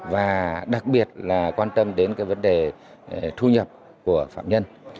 và đặc biệt là quan tâm đến cái vấn đề thu nhập của phạm nhân